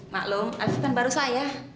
maklum alfie kan baru saya